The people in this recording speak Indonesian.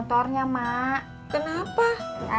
terima kasih kaka ojak ya